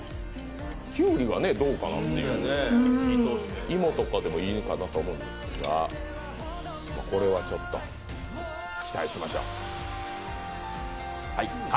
きゅうりもどうかなと、芋とかでもいいのかと思いますが、これはちょっと期待しましょう。